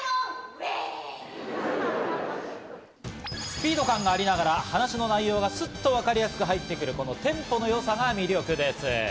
スピード感がありながら、話の内容がスっとわかりやすく入ってくるテンポのよさが魅力です。